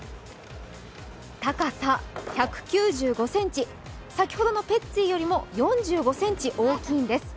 高さ１９５ｃｍ、先ほどのペッツィーよりも４５ｃｍ大きいんです。